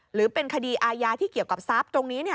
หรือเป็นคดีอาญาที่เกี่ยวกับทรัพย์ตรงนี้